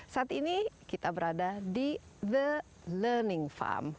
saat ini kita berada di the learning farm